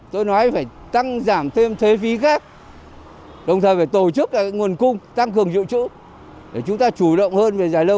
tôi nói phải tăng giảm thêm thuế phí khác đồng thời phải tổ chức ra cái nguồn cung tăng cường dự trữ để chúng ta chủ động hơn về giảm thuế